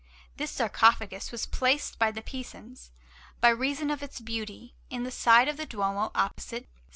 This sarcophagus was placed by the Pisans, by reason of its beauty, in the side of the Duomo opposite S.